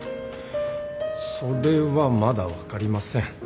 それはまだ分かりません。